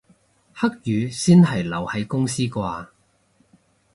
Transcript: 黑雨先係留喺公司啩